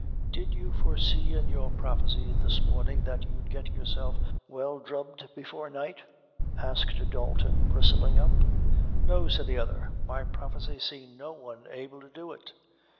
"Did you foresee in your prophecies this mornin' that you'd get yourself well drubbed before night?" asked Dalton, bristling up. "No," said the other; "my prophecy seen no one able to do it."